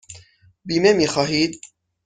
بیمه می خواهید؟